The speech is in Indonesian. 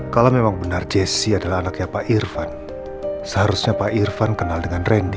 kalau memang benar jesse adalah anaknya pak irvan seharusnya pak irvan kenal dengan randy